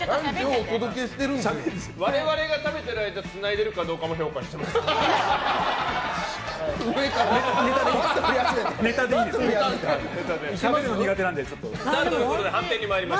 我々が食べてる間つないでるかも評価しています。